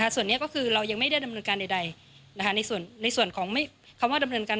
ส่วนนี้ก็คือเรายังไม่ได้ดำเนินการใด